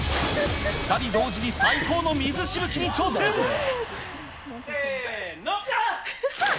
２人同時に最高の水しぶきにせーの！